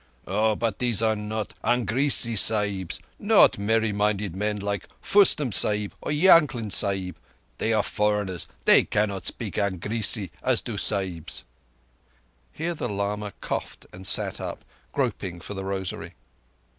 "Oh, but these are not Angrezi Sahibs—not merry minded men like Fostum Sahib or Yankling Sahib. They are foreigners—they cannot speak Angrezi as do Sahibs." Here the lama coughed and sat up, groping for the rosary.